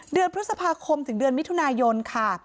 เดือนพฤษภาคมถึงเดือนมิถุนายนค่ะ